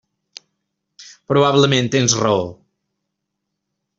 Probablement tens raó.